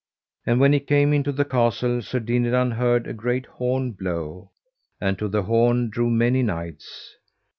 And when he came into the castle Sir Dinadan heard a great horn blow, and to the horn drew many knights.